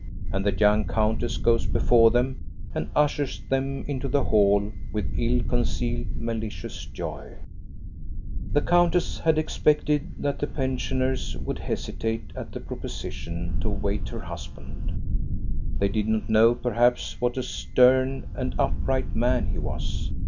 And the young countess goes before them and ushers them into the hall with ill concealed malicious joy. igo THE STORY OF GOSTA BERLING The countess had expected that the pensioners would hesitate at the proposition to await her husband. They did not know perhaps what a stem and upright man he was.